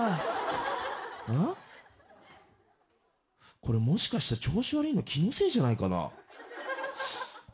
これ、もしかして調子悪いの、気のせいじゃないかな。